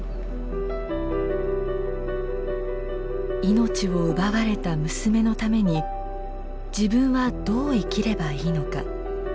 命を奪われた娘のために自分はどう生きればいいのか。